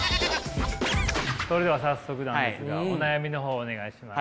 それでは早速なんですがお悩みの方お願いします。